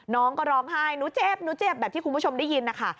น้องก็ร้องไห้หนูเจ็บหนูเจ็บแบบที่คุณผู้ชมได้ยินนะคะ